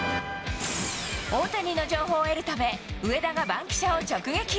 大谷の情報を得るため、上田が番記者を直撃。